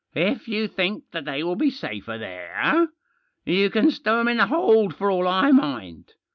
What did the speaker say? " IF you think that they will be safer there. You can stow 'em in the hold for all I mind.